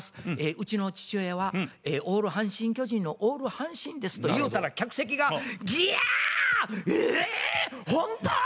うちの父親はオール阪神・巨人のオール阪神です」と言うたら客席が「ギャー！えっ！ほんと！」